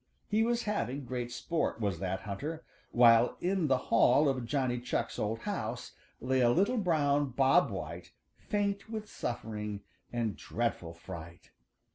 He was having great sport, was that hunter, while in the hall of Johnny Chuck's old house lay a little brown Bob White faint with suffering and dreadful fright.